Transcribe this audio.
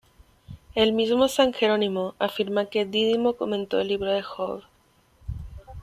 El mismo San Jerónimo afirma que Dídimo comentó el libro de Job.